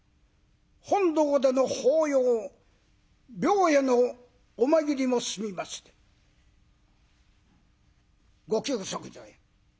本堂での法要廟へのお参りも済みまして御休息所へ。